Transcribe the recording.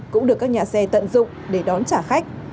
cũng được các nhà xe tận dụng để đón trả khách